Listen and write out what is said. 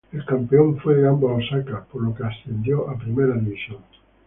El campeón fue Gamba Osaka, por lo que ascendió a Primera División.